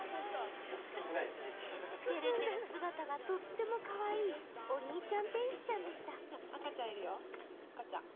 てれてる姿がとってもかわいいお兄ちゃん天使ちゃんでした。